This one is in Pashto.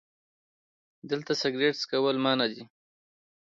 🚭 دلته سګرټ څکل منع دي